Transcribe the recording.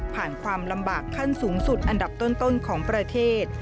ความลำบากขั้นสูงสุดอันดับต้นของประเทศ